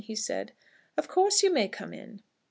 he said. "Of course you may come in."